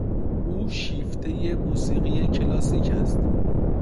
او شیفتهی موسیقی کلاسیک است.